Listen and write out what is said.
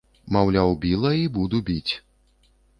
Маўляў, біла і буду біць.